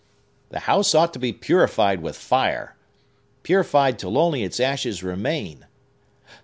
The house ought to be purified with fire,—purified till only its ashes remain!"